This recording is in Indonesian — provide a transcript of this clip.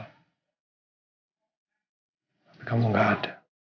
tapi kamu gak ada